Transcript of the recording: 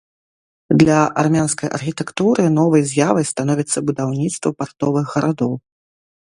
Для армянскай архітэктуры новай з'явай становіцца будаўніцтва партовых гарадоў.